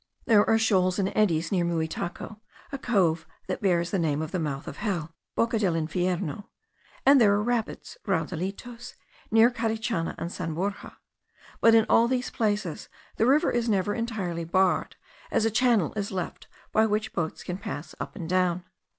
There are shoals and eddies near Muitaco, in a cove that bears the name of the Mouth of Hell (Boca del Infierno); and there are rapids (raudalitos) near Carichana and San Borja; but in all these places the river is never entirely barred, as a channel is left by which boats can pass up and down.